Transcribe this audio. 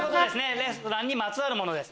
レストランにまつわる物です。